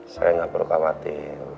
saya gak perlu kamu hati